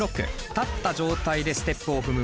立った状態でステップを踏む動きです。